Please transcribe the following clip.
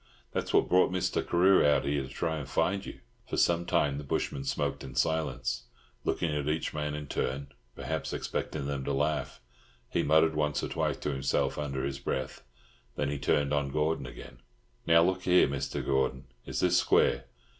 That's what brought Mr. Carew out here, to try and find you." For some time the bushman smoked in silence, looking at each man in turn, perhaps expecting them to laugh. He muttered once or twice to himself under his breath. Then he turned on Gordon again. "Now, look here, Mr. Gordon, is this square?